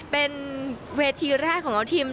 เป็นเวทีแรกของทีม